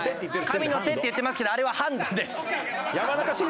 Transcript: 神の手って言ってますけどあれはハンドです。